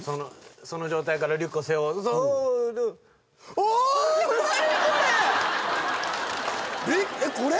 その状態からリュックを背負うそう何これビえっこれ？